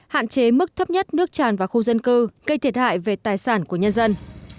hạn chế mức thấp nhất nước tràn vào khu dân cư gây thiệt hại về tài sản của nhân dân